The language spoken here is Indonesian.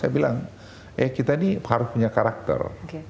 saya bilang eh kita ini harus punya karakter